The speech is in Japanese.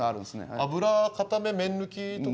脂かため麺抜きとか。